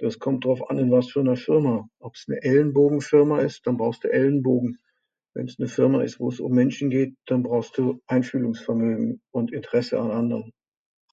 Das kommt drauf an in was für ner Firma, obs ne Ellenbogenfirma ist, dann brauchst du Ellenbogen. Wenns ne Firma ist wos um Menschen geht, dann brauchst Du Einfühlungsvermögen und Interesse an anderen.